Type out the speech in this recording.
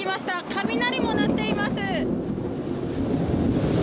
雷も鳴っています。